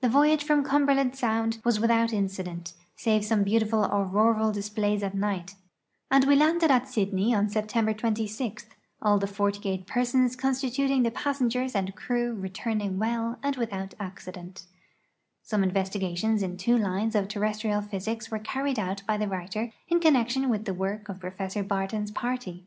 The voyage from Cumberland sound was without incident, save some beautiful auroral displays at night, and we landed at CUMUERLAND SOUND ESKIMOS 110 A SUMMER VOYAGE TO THE ARCTIC Sydney on September 26, all the 48 persons constituting the passengers and crew returning well and without accident. Some investigations in two lines of terrestrial ])hysics were carried out by the writer in connection with the work of Pro fessor Ikirton's party.